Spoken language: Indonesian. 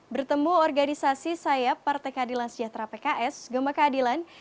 bertemu organisasi saya partai keadilan sejahtera pks gemak keadilan